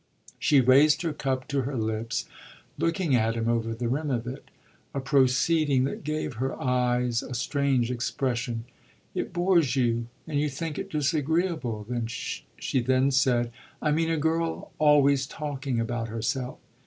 She raised her cup to her lips, looking at him over the rim of it a proceeding that gave her eyes a strange expression. "It bores you and you think it disagreeable," she then said "I mean a girl always talking about herself."